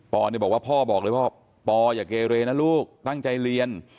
บอกว่าพ่อบอกเลยว่าปออย่าเกเรนะลูกตั้งใจเรียน